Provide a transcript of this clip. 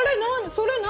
それ何？